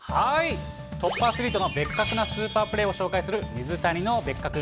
トップアスリートの別格なスーパープレーを紹介する、水谷のベッカク。